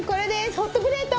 ホットプレート！